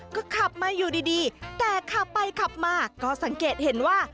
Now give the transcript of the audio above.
ก็ขับมาอยู่ดีแต่ขับไปขับมาก็สังเกตเห็นว่า